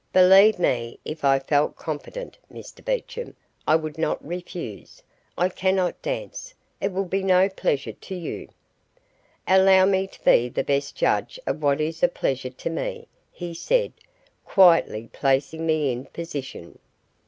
"Believe me, if I felt competent, Mr Beecham, I would not refuse. I cannot dance. It will be no pleasure to you." "Allow me to be the best judge of what is a pleasure to me," he said, quietly placing me in position.